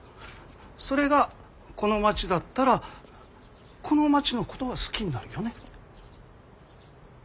それがこの町だったらこの町のことが好きになるよね？